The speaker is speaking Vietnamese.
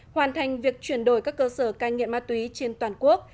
hoàn thành việc chuyển đổi các cơ sở cai nghiện ma túy trên toàn quốc